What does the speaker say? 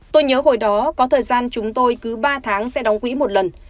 tôi nhớ hồi đó có thời gian chúng tôi cứ ba tháng sẽ đóng quỹ một lần